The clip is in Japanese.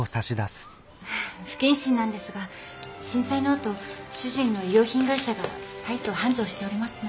不謹慎なんですが震災のあと主人の衣料品会社が大層繁盛しておりますの。